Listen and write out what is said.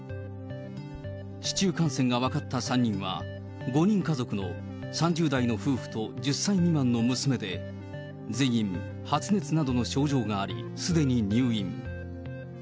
市中感染が分かった３人は、５人家族の３０代の夫婦と１０歳未満の娘で、全員発熱などの症状があり、すでに入院。